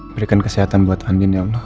berikan kesehatan buat amin ya allah